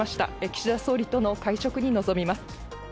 岸田総理との会食に臨みます。